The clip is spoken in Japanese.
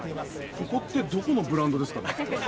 ここってどこのブランドですかね？